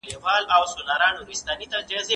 موږ د ټولو ژبو درناوی کوو.